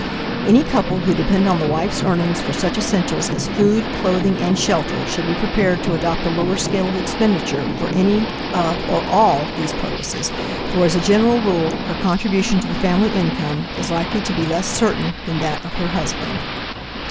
Any couple who depend on the wife's earnings for such essentials as food, clothing, and shelter should be prepared to adopt a lower scale of expenditure for any of or all these purposes, for as a general rule her contribution to the family income is likely to be less certain than that of her husband.